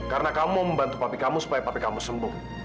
karena kamu membantu papi kamu supaya papi kamu sembuh